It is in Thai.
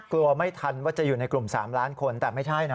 กลัวไม่ทันว่าจะอยู่ในกลุ่ม๓ล้านคนแต่ไม่ใช่นะ